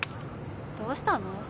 どうしたの？